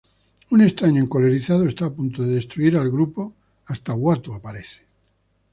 Un Extraño encolerizado está a punto de destruir al grupo hasta Uatu aparece.